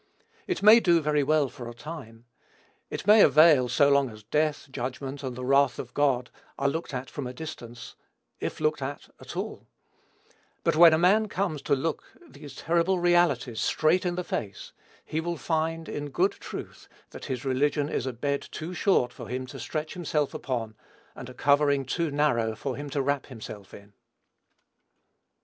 It may do very well for a time. It may avail so long as death, judgment, and the wrath of God are looked at from a distance, if looked at at all; but when a man comes to look these terrible realities straight in the face, he will find, in good truth, that his religion is a bed too short for him to stretch himself upon, and a covering too narrow for him to wrap himself in.